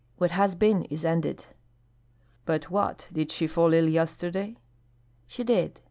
What has been is ended." "But what, did she fall ill yesterday?" "She did."